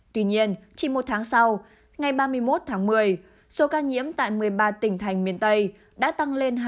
tuy nhiên chỉ một tháng sau ngày ba mươi một tháng một mươi số ca nhiễm tại một mươi ba tỉnh thành miền tây đã tăng lên hai mươi